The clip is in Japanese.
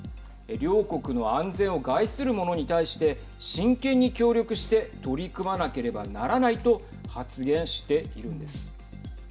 両国の安全を害する者に対して真剣に協力して取り組まなければならないと発言しているんです。